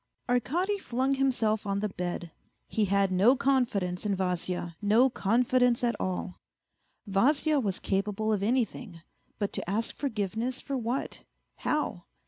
" Arkady flung himself on the bed. He had no confidence in Vasya, no confidence at all. Vasya was capable of anything, but to ask forgiveness for what ? how